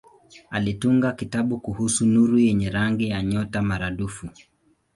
Alitunga kitabu kuhusu nuru yenye rangi ya nyota maradufu.